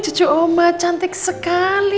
cucu oma cantik sekali